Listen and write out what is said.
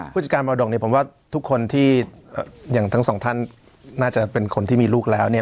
ผู้จัดการมรดกเนี่ยผมว่าทุกคนที่อย่างทั้งสองท่านน่าจะเป็นคนที่มีลูกแล้วเนี่ย